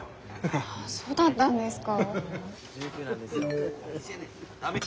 ああそうだったんですか。